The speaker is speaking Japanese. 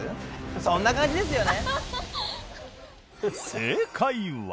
そんな感じですよね。